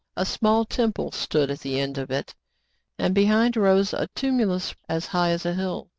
A small temple stood at the end of it, and be hind rose a " tumulus," as high as a hill.